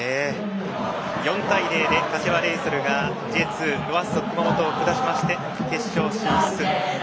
４対０で柏レイソルがＪ２、ロアッソ熊本を下しまして決勝進出。